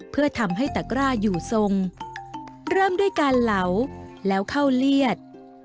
เพื่อทำให้ตะกร้าอยู่ทรงเริ่มด้วยการเหลาแล้วเข้าเลียด